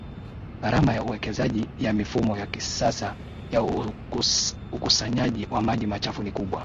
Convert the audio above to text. Gharama ya uwekezaji ya mifumo ya kisasa ya ukusanyaji wa maji machafu ni kubwa